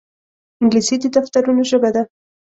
انګلیسي د دفترونو ژبه ده